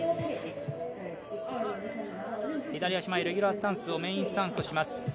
左足前、レギュラースタンスをメインスタンスとします。